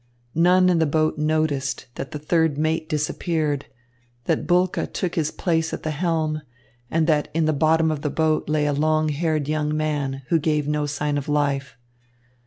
None in the boat noticed that the third mate disappeared, that Bulke took his place at the helm, and that in the bottom of the boat lay a long haired young man, who gave no sign of life.